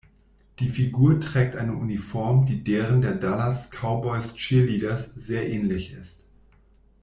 Die Figur trägt eine Uniform die deren der Dallas Cowboys Cheerleaders sehr ähnlich ist.